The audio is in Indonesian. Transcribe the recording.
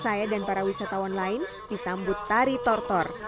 saya dan para wisatawan lain disambut tari tortor